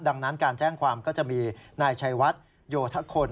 ดังนั้นการแจ้งความก็จะมีนายชัยวัดโยธคน